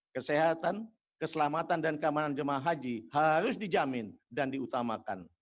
kesehatan keselamatan dan keamanan jemaah haji harus dijamin dan diutamakan